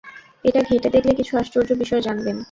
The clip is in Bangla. এটা ঘেঁটে দেখলে কিছু আশ্চর্য বিষয় জানবেন।